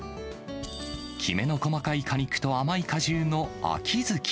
きめの細かい果肉と甘い果汁のあきづき。